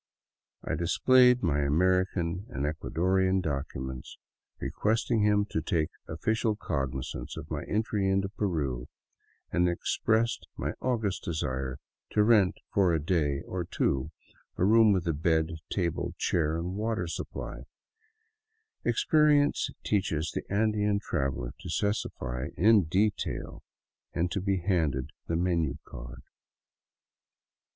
I displayed my American and Ecuadorian documents, re questing him to take official cognizance of my entry into Peru, and ex pressed my august desire to rent for a day or two a room with bed, table, chair and water supply — experience teaches the Andean trav eler to specify in detail — and to be handed the menu card.